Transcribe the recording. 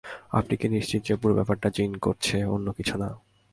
আপনি কি নিশ্চিত যে পুরো ব্যাপারটা জিন করছে, অন্য কিছু না?